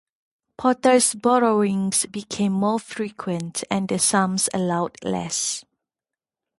Porter's borrowings became more frequent, and the sums allowed less.